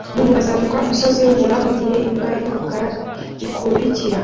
Umuntu azamuka umusozi wubura mugihe imbwa yumukara ikurikira